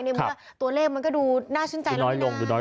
ในมุมว่าตัวเลขมันก็ดูน่าชื่นใจน้อย